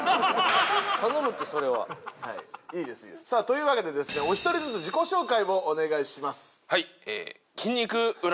さあというわけでですねお一人ずつ自己紹介をお願いします。